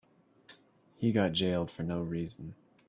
He got jailed for no reason.